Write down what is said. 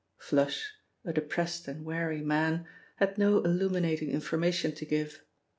'Flush', a depressed and weary man, had no illuminating information to give.